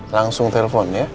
langsung telepon ya